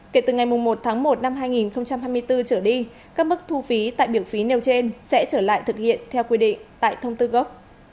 kể từ ngày một tháng một năm hai nghìn hai mươi bốn trở đi các mức thu phí tại biểu phí nêu trên sẽ trở lại thực hiện theo quy định tại thông tư gốc